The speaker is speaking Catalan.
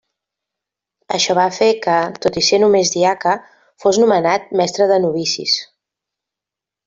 Això va fer que, tot i ésser només diaca, fos nomenat mestre de novicis.